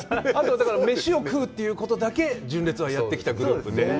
飯を食うということだけ純烈はやってきたグループで。